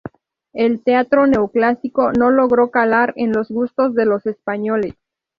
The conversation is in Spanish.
El teatro neoclásico no logró calar en los gustos de los españoles.